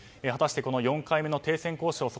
果たしてこの４回目の停戦交渉